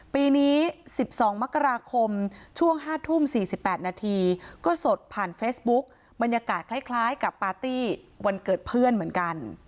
ปีนี้๑๒มกราคมช่วง๕ทุ่ม๔๘นาทีก็สดผ่านเฟซบุ๊กบรรยากาศคล้ายกับปาร์ตี้วันเกิดเพื่อนเหมือนกัน